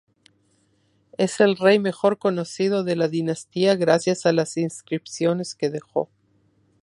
Es el rey mejor conocido de la dinastía, gracias a las inscripciones que dejó.